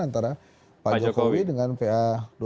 antara pak jokowi dengan pa dua ratus dua